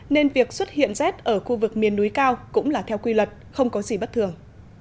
nên việc xuất hiện rét ở khu vực miền núi cao cũng là theo quy luật không có gì bất thường